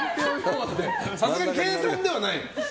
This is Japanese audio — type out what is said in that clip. さすがに計算ではない？